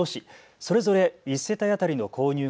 それぞれ１世帯当たりの購入額